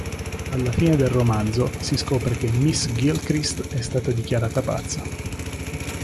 Alla fine del romanzo, si scopre che Miss Gilchrist è stata dichiarata pazza.